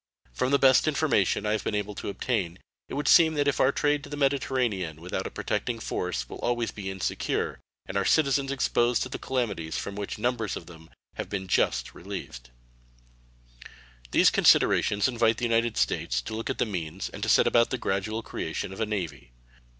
From the best information I have been able to obtain it would seem as if our trade to the Mediterranean without a protecting force will always be insecure and our citizens exposed to the calamities from which numbers of them have but just been relieved. These considerations invite the United States to look to the means, and to set about the gradual creation of a navy.